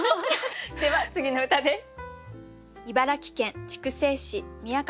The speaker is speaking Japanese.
では次の歌です。